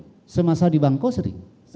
masa masa di bangko sering